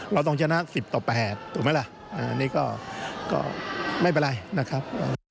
เราต้องชนะ๑๐ต่อ๘ถูกไหมล่ะนี่ก็ไม่เป็นไรนะครับ